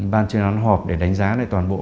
ban chuyên án họp để đánh giá lại toàn bộ